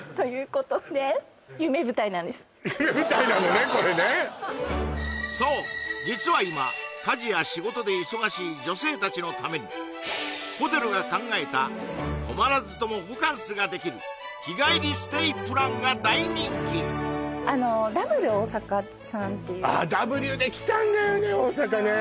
これねそう実は今家事や仕事で忙しい女性達のためにホテルが考えた泊まらずともホカンスができる日帰りステイプランが大人気Ｗ大阪さんっていうああＷできたんだよね